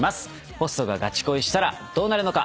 ホストがガチ恋したらどうなるのか？